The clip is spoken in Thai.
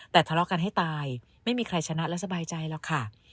แต่ทะเลาะกันให้ตายไม่มีใครชนะและสบายใจหรอกค่ะ